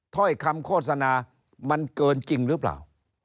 ถ้อยคำโฆษณามันเกินจริงหรือเปล่า